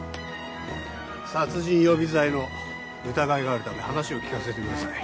殺人予備罪の疑いがあるため話を聞かせてください。